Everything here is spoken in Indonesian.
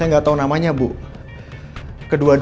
orang yang bersama ibu di pandora cafe